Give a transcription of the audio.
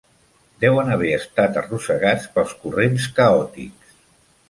Deuen haver estat arrossegats pels corrents caòtics.